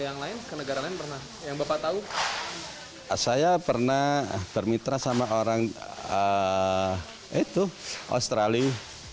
yang lain ke negara lain pernah yang bapak tahu saya pernah bermitra sama orang itu australia